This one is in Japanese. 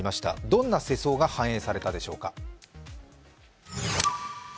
どんな世相が反映されたのでしょうか。